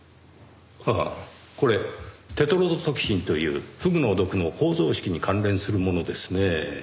ああこれテトロドトキシンというフグの毒の構造式に関連するものですねぇ。